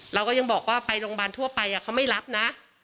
เราก็ยังบอกว่าไปโรงพยาบาลทั่วไปเขาไม่รับนะ